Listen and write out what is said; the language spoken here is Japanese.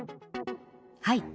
はい。